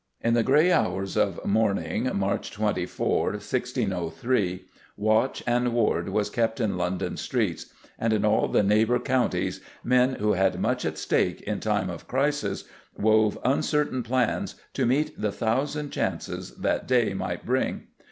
"In the grey hours of morning, March 24, 1603, watch and ward was kept in London streets; and in all the neighbour counties men who had much at stake in time of crisis wove uncertain plans to meet the thousand chances that day might bring....